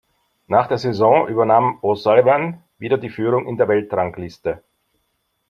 Nach der Saison übernahm O’Sullivan wieder die Führung in der Weltrangliste.